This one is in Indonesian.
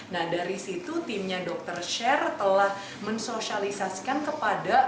nah dari situ timnya dokter sher telah mensosialisasikan kepada